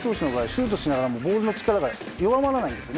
シュートしながらもボールの力が弱まらないんです。